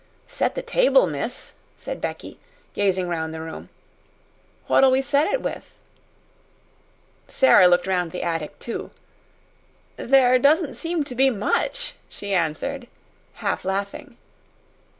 "Set the table, miss?" said Becky, gazing round the room. "What'll we set it with?" Sara looked round the attic, too. "There doesn't seem to be much," she answered, half laughing.